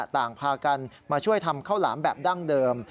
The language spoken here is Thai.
ต่างพากันมาช่วยทำข้าวหลามแบบดั้งเดิม